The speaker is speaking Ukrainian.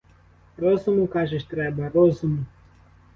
Розуму, кажеш, треба, розуму!